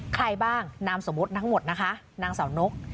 ใครบ้างนามสมมุติทั้งหมดนะคะนางสาวนก